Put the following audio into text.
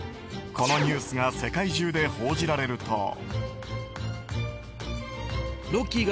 このニュースが世界中で報じられると。